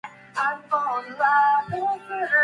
積まれて、重なり、巨大な山となり、中庭に大きな影を落としていた